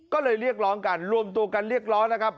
ก็เลยเรียกร้องกันรวมตัวกันเรียกร้องนะครับ